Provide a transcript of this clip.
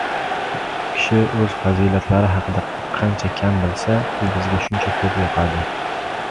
Kishi o‘z fazilatlari haqida qancha kam bilsa, u bizga shuncha ko‘p yoqadi.